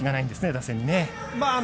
打線にね。